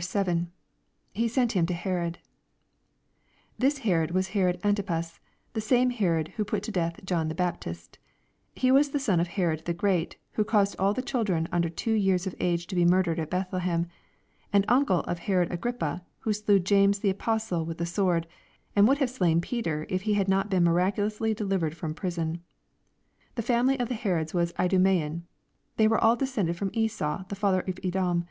7. — [He sent him to Herod.] This Herod was Herod Antipas, the same Herod who put to death John the Baptist. He was son of Herod the Great, who caused all the children under two years of age to be mm dered at Bethlehem, and uncle of Herod Agrippa, who slew James the apostle with the sword, and would have slain Peter if he had not been miraculously deUvered from piison. The family of the Herods was Idumaean. They were all de scended from Esau, the father of Edom.